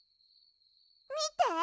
みて。